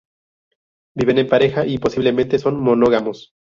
Viven en pareja y, posiblemente, son monógamos.